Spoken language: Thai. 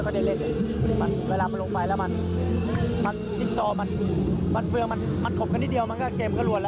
เกมก็รวดแล้วแต่ทึ่งหลังโอเคดีมาก